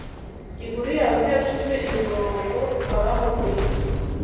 inkuru yawe ntiyacuze imiborogo, abahogoye